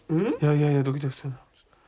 いやいやドキドキする。